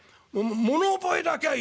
物覚えだけはいいんだよ。